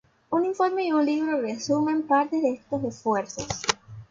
Un informe y un libro resumen parte de estos esfuerzos.